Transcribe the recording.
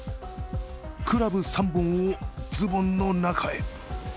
クラブ３本をズボンの中へ。